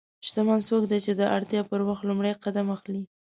شتمن څوک دی چې د اړتیا پر وخت لومړی قدم اخلي.